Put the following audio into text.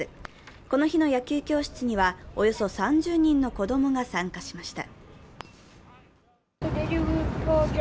この日の野球教室には、およそ３０人の子供が参加しました。